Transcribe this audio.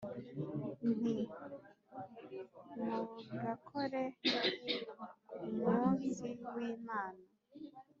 Nti mugakore ku munsi w’imana